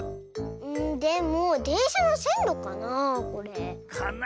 んでもでんしゃのせんろかなこれ？かな。